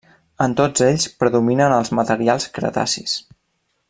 En tots ells predominen els materials cretacis.